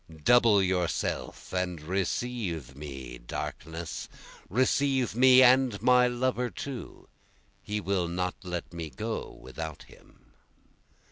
Double yourself and receive me darkness, Receive me and my lover too, he will not let me go without him.